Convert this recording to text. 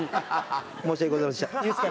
申し訳ございませんでした。